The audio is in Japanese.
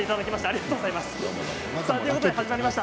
ありがとうございます。